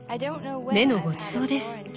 目のごちそうです。